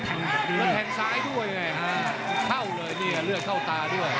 ต้องออกครับอาวุธต้องขยันด้วย